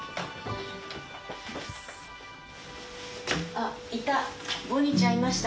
あっいた！